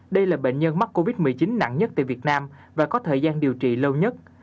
đây là bệnh nhân mắc covid một mươi chín nặng nhất tại việt nam và có thời gian điều trị lâu nhất